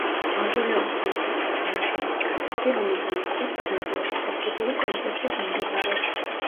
მავზოლეუმის მახლობლად გააშენეს ჭადრები, რომელთა ნახვაც დღემდეა შესაძლებელი კომპლექსის მიმდებარედ.